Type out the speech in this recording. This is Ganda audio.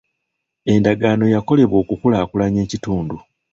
Endagaano yakolebwa okukulaakulanya ekitundu.